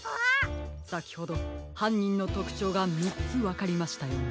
さきほどはんにんのとくちょうが３つわかりましたよね。